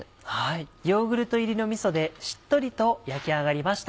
ヨーグルト入りのみそでしっとりと焼き上がりました。